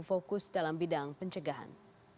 oh iya pencegahan